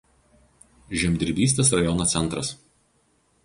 Žemdirbystės rajono centras.